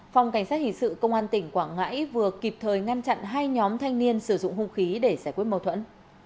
phòng cảnh sát hình sự công an tỉnh quảng ngãi vừa kịp thời ngăn chặn hai nhóm thanh niên sử dụng hung khí để giải quyết mâu thuẫn